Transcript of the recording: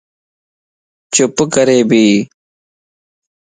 چپ ڪري ٻي